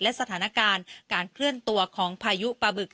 และสถานการณ์การเคลื่อนตัวของพายุปลาบึก